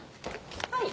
はい。